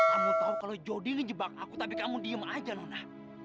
kamu tahu kalau jodi ngejebak aku tapi kamu diem aja nona